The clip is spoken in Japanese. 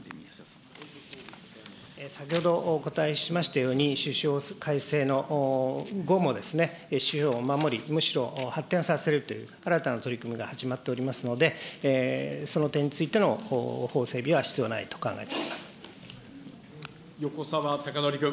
先ほどお答えしましたように、種子法改正後も種子を守り、むしろ発展させるという新たな取り組みが始まっておりますので、その点についての法整備は必要ないと横沢高徳君。